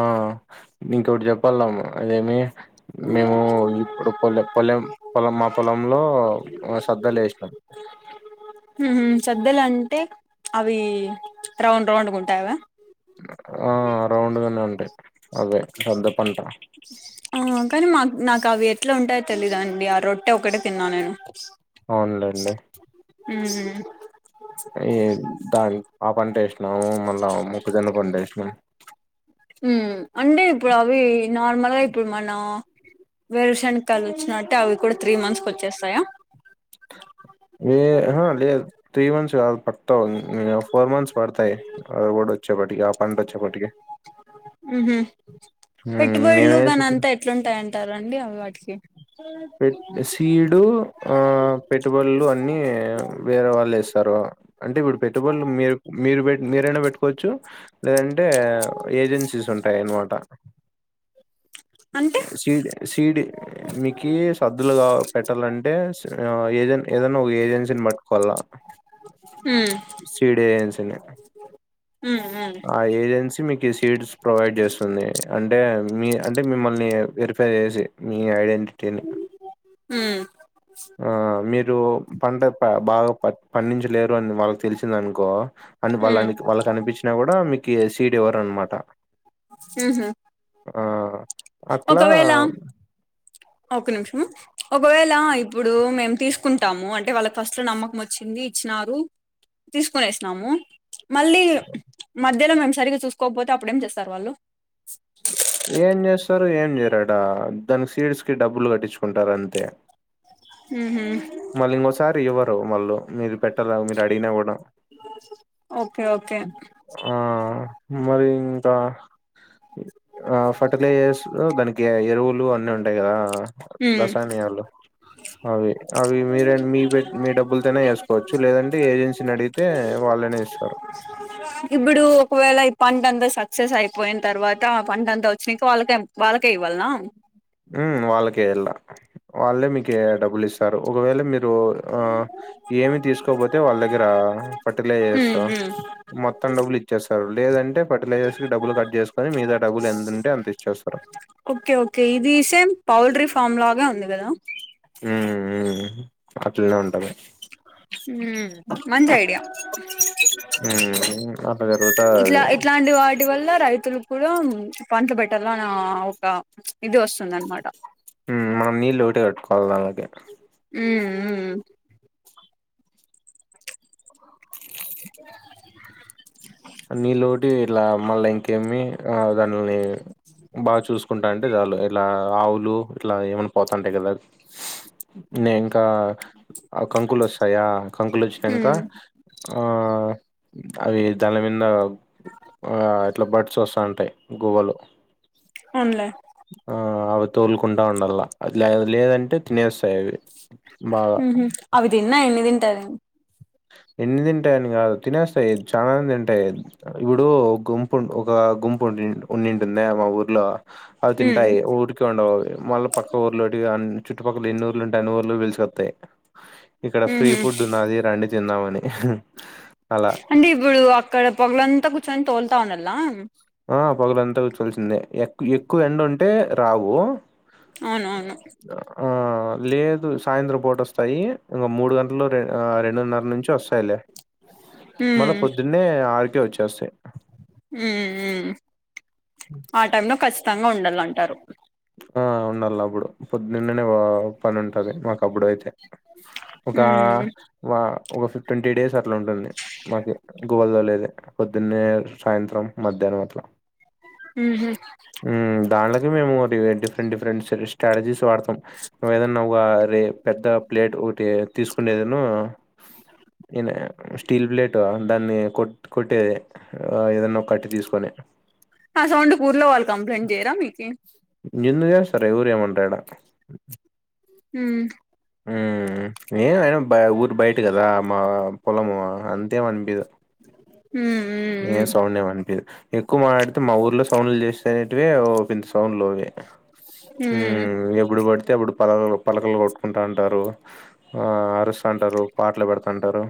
ఆ మీకు ఒకటి చెప్పాలము అదేమి. మేము ఇప్పుడు పొల్లె పొలెం పొల మా పొలంలో సద్దలు వేసినాం. [inaudible] ఉహు సద్దలు అంటే అవి రౌండ్ రౌండ్గా ఉంటాయవ. ఆ అ రౌండ్గానే ఉంటాయి అదే పెద్ద పంట. ఆ కానీ మా నాకు అవి ఎట్లా ఉంటాయో తెలీదుండి ఆ రొట్టె ఒకటే తిన్నా నేను. అవునులేండి. ఉమ్ ఈ దా ఆ పంట వేసినాము మళ్ళా మొక్కజన్న పంట వేసినాం. ఉ అంటే ఇప్పుడు అవి నార్మల్గా ఇప్పుడు మన, వేరుశనకాళ్లు వచ్చినట్టే అవి కూడా త్రీ మంత్స్ కి వచ్చేస్తాయా. [inaudible] ఏ లేదు త్రీ మంత్స్ కాదు పక్ ఫోర్ మంత్స్ పడతాయి. అదికూడా వచ్చేప్పటిక ఆ పంట వచ్చేప్పటికకి. ఉహ్ మేము పెట్టుబడులు కానీ వేసి అంతా ఎట్లుంటాయింటారుండి అవి వాటికి. పెట్ సీడు ఆ పెట్టుబడులు అన్ని వేరే వాళ్ళు వేస్తారు. అంటే ఇప్పుడు పెట్టుబడులు మీరు మీరు పె మీరైనా పెట్టుకోవచ్చు. లేదంటే ఏజెన్సీస్ ఉంటాయ అనమాట. అంటే సీడ్ సీడ్ మీకు సద్దులుగా పెట్టాలంటే ఏజె ఏదనా ఒక ఏజెన్సీని పట్టుకోవాల. [inaudible] ఉమ్. సీడ్ ఏజెన్సీని ఉమ్ ఉమ్ ఆ ఏజెన్స మీకు సీడ్స్. ప్రొవైడ్ చేస్తుంది అంటే మీ అంటే మిమ్మల్ని వెరిఫై చేసి మీ ఐడెంటి. తిని ఉమ్ ఆ మీరు పంట బాగా పండించలేరు అని వాళ్ళకి, తెలిసింద అనుకో అని వాళ్ళ ఉమ్ వాళ్ళకి కనిపించినా కూడా మీకు సీడ్ ఎవ్వరు అనమాట. మ్ హు ఆ అట్లా ఒకవేళ ఒక్క నిమిషం ఒకవేళ ఇప్పుడు మేము తీసుకుంటాము అంటే వాళ్ళకి ఫస్ట్ లో నమ్మకం వచ్చింది ఇచ్చినారు తీసుకోనేసినాము మళ్ళీ మధ్యలో మేము సరిగ్గా చూసుకోకపోతే అప్పుడేం చేస్తారు వాళ్ళు ఏం చేస్తారు ఏం చేయరట దానికి సీడ్స్ కి డబ్బులు కట్టించుకుంటారు అంతే మ్ హు మళ్ళీ ఇంకోసారి ఇవ్వరు వాళ్ళు మీరు పెట్టలే మీరు అడిగిన కూడా బ ఓకే ఓకే ఆ మరి ఇంకా ఆ ఫర్టిలైజర్స్ దానికి ఎరువులు అన్నిీ ఉంటాయి కదా ఉమ్ రసాయనలు అవి అవి మీరే మీ పె మీ డబ్బులతోనే వేసుకోవచ్చు లేదంటే ఏజెన్సీని అడిగితే వాళ్ళేనే ఇస్తారు ఇప్పుడు ఒకవేళ ఈ పంట అంతా సక్సెస్ అయిపోయిన తర్వాత ఆ పంట అంతా వచ్చినాక వాళ్ళక్ వాళ్ళకే ఇవ్వాల్నా మ్ వాళ్ళకే ఇళ్ళల వాళ్ళే మీకి డబ్బులు ఇస్తారు ఒకవేళ మీరు ఆ ఏమి తీసుకోపోతే వాళ్ళ దగ్గర ఫర్టిలైజర్స్ ఉహు మొత్తం డబ్బులు ఇచ్చేస్తారు లేదంటే ఫర్టిలైజర్స్ కు డబ్బు కట్ చేసుకుని మీదా డబ్బులు ఎంతుంటే అంత ఇచ్చేస్తారు ఓకే ఓకే ఇది సేమ్ పౌల్ట్రీ ఫామ్ లాగా ఉంది కదా మ్ మ్ అట్లనే ఉంటది మ్ మంచి ఐడియా మ్ మ్ అట్లా జరుగుతది అది అండ్ వాటి వల్ల రైతులు కూడా పంటలు పెట్టాల అన్న ఒక ఇది వస్తుందన్నమాట మ్ మనం నీళ్ళు ఒకటే కట్టుకోవాల దంలకి మ్ మ్ ఇ నీళ్లోటి ఇట్ల మళ్ళా ఇంక్ ఏమి ఆ దానిలని బాగా చూసుకుంటా అంటే చాలు ఇలా ఆవులు ఇట్లా ఏమైనా పోతంటాయి కదా నే ఇంకా కంకులు వస్తాయా కంకులు వచ్చినాక ఆ అవి దాని మీద ఇట్లా బడ్స్ వస్తుాంటాయి గూవ్వలు అనులే ఆ అవి తోలుకుంటా ఉండల్లా లేదంటే తినేస్తాయి అవి బాగా మ్ హు అవి తిన్నా ఎన్ని తింటది ఎన్ని తింటాయని కాదు తినేస్తాయి చాలానే తింటాయి ఇప్పుడు గుంపు ఒక గుంపు ఉండి ఉండింటుంది మా ఊర్లో అది తింటాయి ఊర్ ఉండవు అవి మళ్ళ పక్క ఊర్లోటి చుట్టుపక్కల ఎన్ని ఊర్లు ఉంటే అన్ని ఊర్లు పిలుకొస్తాయి ఇక్కడ ఫ్రీ ఫుడ్ ఉన్నది రండి తిందామని అలా అంటే ఇప్పుడు అక్కడ పగలంతా కూర్చొని తోలుతా ఉండల్ల ఆ పగలంతా కూర్చోల్సిందే ఎక్ ఎక్కువ ఎండ ఉంటే రావు అవును ఆవును ఆ లేదు సాయంత్రం పూట వస్తాయి ఇంకా మూడు గంటల్లో రెం ఆ రెండున్నర నుంచి వస్తాయిలే మళ్ళా పొద్దున్నే ఆరుకే వచ్చేస్తాయి. హ్ హ్ ఆ టైమ్ లో ఖచ్చితంగా ఉండాలంటారు. ఆ ఉండాల అప్పుడు పొద్దున్నే పో పని ఉంటది. మాకు అప్పుడు అయితే ఒక వ ఒక ఫిఫ్టీన్ త్రీ డేస్ అట్లా ఉంటుంది మాకి గువల్ల్లో లేదే పొద్దున్నే సాయంత్రం మధ్యాహ్నం అట్ల ఉహ్ ఉ దానిలోకి మేము ఒక డిఫరెంట్ డిఫరెంట్ స్ట్రాటజీస్ వాడతాం నువ్ ఏదన్నా ఒక పెద్ద ప్లేట్ ఒకటి తీసుకునేది ఉన్ను ఇన్ స్టీల్ ప్లేటు దాన్ని కొట్ కొట్టే ఆ ఏదన్న ఒకట్టి తీసుకొని ఆ సౌండ్కూకి ఊర్లో వాళ్ళు కంప్లైంట్ చేయరా మీకి ఇగ ఎందుకు చేస్తారే ఎవరు ఏమనరు ఈడ ఉ ఉ ఏ అయినా బయట గాదా ఊరు బయట కదా మా పొలము అంతేం ఆనిపియదు ఉ ఉ ఏం సౌండ్ ఏం అనిపియదు ఎక్కువ మాట్లాడితే మా ఊర్లో సౌండ్లు చేస్తేనేటివి సౌండ్ లోవే ఉ ఎప్పుడు పడితే అప్పుడు పలకలు పలకలు కొట్టుకుంటా ఉంటారు. ఆ అరుస్తంటారు. పాటలు పెడత ఉంటారు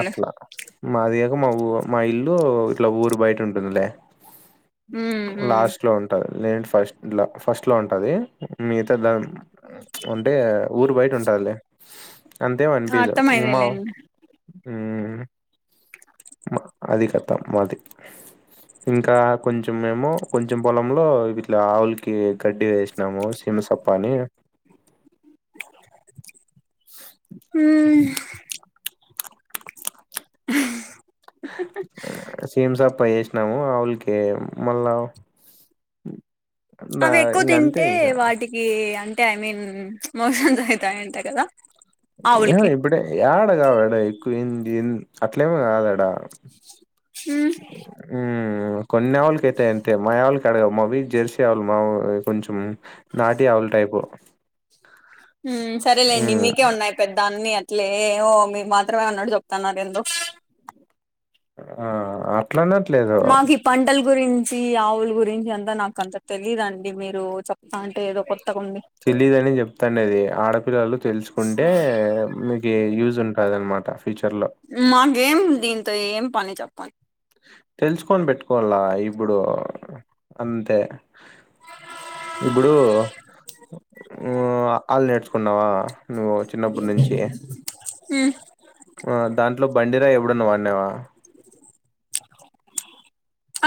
అట్లా మాదిగాక మా ఊ మా ఇల్లు ఇట్లా ఊరు బయట ఉంటుందిలే అవునులే లాస్ట్ లో ఉంటది. నీ ఫస్ట్ ఫస్ట్ లో ఉంటది మిగతా దా అంటే ఊరు బయట ఉంటదిలే అంతేం అనిపియాదు. ఉమా అర్థమయిలేలేండి ఉహ్ మా అది కధ మాది ఇంకా కొంచెం ఏమో కొంచెం పొలంలో ఇట్లా ఆవులికి గడ్డి వేసి ఏమో సిమా సప్పని హ్ సీమ్ సప్ప ఏసి నవు ఆవులీకి మళ్ళ అవి ఎక్కువ తింటే వాటికి అంటే ఐ మీన్ మోషన్స అయితాయింటా కదా ఏ ఆవులకి ఇప్పుడే యాడ కావడా ఎక్కువంది అట్లేం కాదాడా హ్మ్ ఉ కొన్ని ఆవులకైతయి అంతే మా ఆవుళ్ళకి కడగ మావి జర్సీ ఆవుళ్ళ మాయి కొంచెం నాటి ఆవుల టైపు ఉ సరేలేండి హ్మ్. మీకే ఉన్నాయి. దాన్ని అట్లే వో మీరు మాత్రమే ఉన్నట్డు చెప్త ఉన్నారు ఎందొ ఆ అట్లా అనట్లేదు మాకు ఈ పంటల గురించి ఆవుల గురించి నాకు అంతా నాకు అంత తెలీడండి మీరు చెప్తా అంటే ఏదో నాకు కొత్తగాండి తెలీదు ఆని చెప్తాండది ఆడపిల్లలు తెలుసుకుంటే మీకు యూజ్ ఉంటది. అనమాట ఫీచర్లో మాకేం దీంతో ఏం పని చెప్పండి తెలుసుకొని పెట్టుకోవాలా ఇప్పుడు అంతే ఇప్పుడు ఊ అ ఆళ్ళు నేర్చుకున్నావా నువ్వు చిన్నప్పుడు నుంచి ఉం ఆ దాంట్లో బండిరా ఎపుడన్న వాడిన్నవా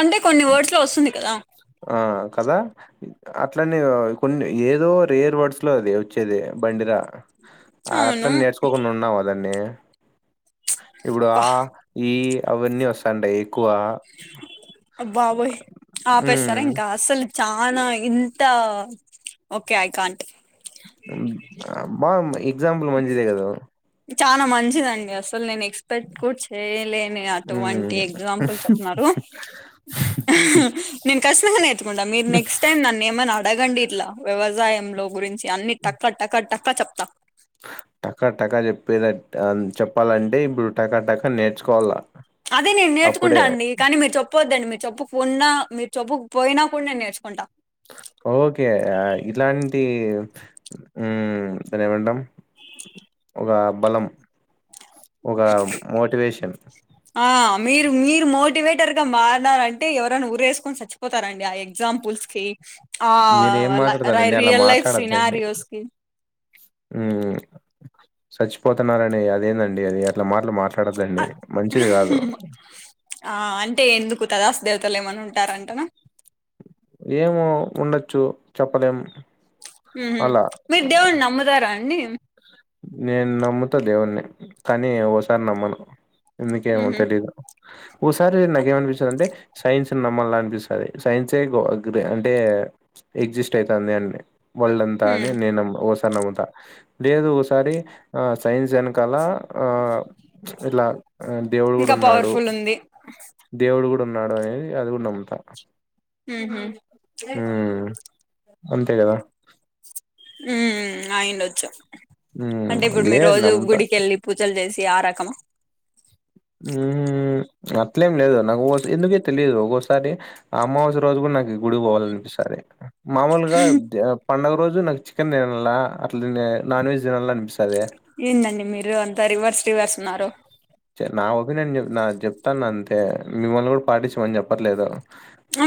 అంటే కొన్ని వర్డ్స్ లో వస్తుంది కదా ఆ కదా అట్లనే కొన్ని ఏదో రేర్ వర్డ్స్ లో అది వచ్చేది బండిరా అవును అట్లని నేర్చుకోకుండా ఉన్నావ దాన్ని ఇప్పుడు అబ్బా ఆ ఈ అవన్నీ వస్తాండయి అ బ్బాబోయ్ ఆపేస్తారా ఉమ్ ఇంకా అస్సలు చానా ఇంత ఓకే ఐ కాంట్ బాగా ఎగ్జాంపుల్ మంచిదే కదా చానా మంచిదండి అసలు నేను ఎక్స్ట్ ఎక్స్పెక్ట్ కూడా అటువంటి ఉమ్ ఎగ్జాంపుల్ చెప్పి న్నారు నేను కఖచ్చింగా నేర్చుకుంట మీరు నెక్స్ట్ టైమ్ నన్న ఏమని ఆర్ అడగండి ఇట్లా వ్యవసాయం లో గురించి అన్ని టక్క టక్క టక్క చెప్తా టకా టకా చెప్పేది అంటే ఆ చెప్పాలంటే ఇప్పుడు టకా టకా నేర్చుకోవాలా అదే నేను నేర్చుకుంటా అండి కానీ మీరు చెప్పు చెపోద్దండి మీరు చెప్పుకు ఉన్నా మీరు చెప్పుకు పోయినా కూడా నేను నేర్చుకుంటా ఓకే ఇట్లాంటి ఉం సరే ఏమంటాము ఆ బలం ఒక మోటివేషన్ ఆ మీరు మీరు మోటివేటర్ గా మారీనారంటే ఎవరైనా ఊరేసుకొని చచ్చ పోతారండి ఆ ఎగ్జాంపుల్స్ కి ఆ మీరు ఏం మాట్లాడతారండి అలా రియల్ లైఫ్ సినారియోస్ కి ఉం చచ్చిపోతున్నారని అదేందండి అది అట్లా మాట్ల మార్ ఆ ఆ అంటే ఎందుకు తదాస్తూ దేవతలు ఏమన్నా ఉంటారంటనా ఏమో ఉండొచ్చు చెప్పలేం హు హామ్ అలా మీరు దేవుడినీ నమ్ముతారా అండి నేను నమ్ముతా దేవుని కానీ ఒక సారి నమ్మను ఎందుకేమో ఉహు తెలీదు ఓసారి నాకేమనిపించందంటే సైన్స్ ఉన్నా మళ్ళా అనిపిస్తుంది సైన్సే [unintelligible] అంటే ఎగ్జిస్ట్ అవుతుంది అడి వాళ్ళంతా అని ఉమ్ నేను మ్ ఓసారి నమ్ముతా లేదు ఓసారి ఆ సైన్స్ అన కలా ఆ ఇట్లా దేవుడు కూడా ఇంకా ఉన్నాడు పవర్ఫుల్ ఉంది దేవుడు కూడా ఉన్నాడు అనేది అది కూడా నమ్ముతా ఉహు ఉం అంతే కదా ఉం ఆయిండొచ్చు అంటే ఉమ్ ఇప్పుడు మీ లే రోజు నమ్ముతా గుడికేళ్ళి పూజలు చేసి ఆ రకమ ఉం అట్లేం లేదు నాకు ఎందుకే తెలియదు ఒక్కోసారి అమావాస్య రోజు కూడా నాకు గుడి పోవాలనిపిస్తది మామూలుగా పండుగ రోజు నాకు చికెన్ తినాల అట్లా నాన్ వెజ్ తినాల అనిపిస్తది ఏంది అండి మీరు అంత రివర్స్ రివర్స్ ఉన్నారు నా ఒపీనియన్ నా చెప్తాను అంతే మిమ్మల్ని కూడా పాటిచమని చెప్పట్లేదు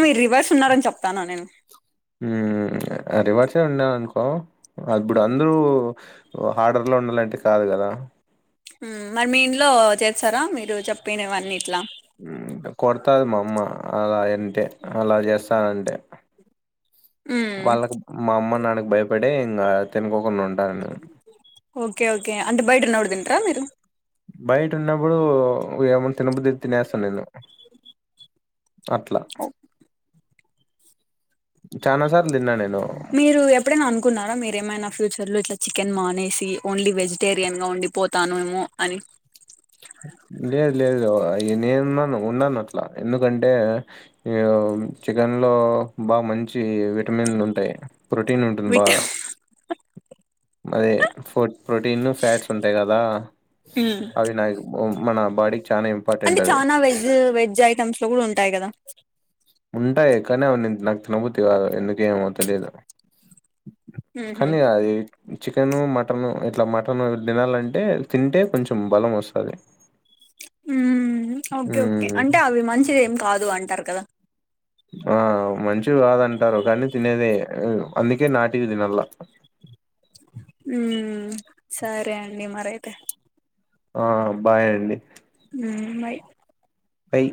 మీరు రివర్స్ ఉన్నారని చెప్తాన నేను ఉమ్ రివర్స్ సే ఉన్నాను అనుకో అదిప్పుడు అందరూ హడర్ లో ఉండాలంటే కాదు కదా మరి మీ ఇంట్లో చేస్తారా మీరు చెప్పినవన్ని ఇట్లా కొడతది మా అమ్మ అలా అంటే అలా చేస్తానంటే మ్మ్ వాళ్ళకి మా అమ్మ నాన్నకి భయపడే ఇంకా తినుకోకుండా ఉం ఓకే ఓకే అంటే బయట ఉన్నప్పుడు తిం టరా మీరు బయట ఉన్నప్పుడు ఏమన్నా తినబుద్ అయితే తినేస్తాను నేను అట్లా ఓ చనా సార్లు తిన్న నేను మీరు ఎప్పుడైనా అనుకున్నారా మీరేమైనా ఫ్యూచర్ లో ఇట్లా చికెన్ మానేసి ఓన్లీ వెజటేరియన్గా ఉండి పోతాను ఏమో అని లేదు లేదు నేనున్నాను ఉన్నాను అట్లా ఎందుకంటే ఈ చికెన్ లో బాగా మంచి విటమిన్లు ఉంటాయి ప్రోటీన్ ఉంటుంది విట్ బాగా అది ప్రో ప్రోటీన్ ఫ్యాట్స్ ఉంటాయి కదా ఆ అవినయక్ మన బాడి అంటే చనా వెజ్ వెజ్ ఐటమ్స్ లో కూడా ఉంటాయి కదా ఉంటాయి కానీ అవి నేను నాకు తినబుద్ధి కాదు ఎందుకేమో తెలియదు మ్మ్ కని అది చికెను మటను ఇట్లా మటన్ తినాలంటే తింటే కొంచెం బలం వస్తది మ్మ్ ఓకే ఓకే హ్మ్. అంటే అవి మంచిది ఏం కాదు అంటారు కదా ఆ మంచివి కాదంటారు కానీ తినేదే అందుకే నాటివి తినాలా ఉ సరే అండి మరైతే ఆ బాయ్ అండి ఉ మై అయి